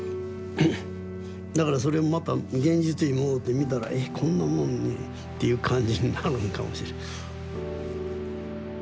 だからそれもまた現実に戻って見たらえっこんなもんに？っていう感じになるんかもしれん。